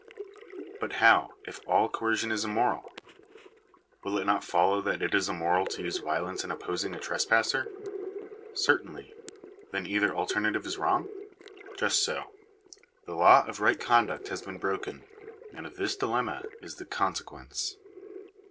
But how, if all coercion is immoral ? Will it not follow that it is immoral to use violence in opposing a trespasser ? Cer tainly. Then either alternative is wrong ? Just so : the law of right conduot has been broken, and this dilemma is the oon sequence.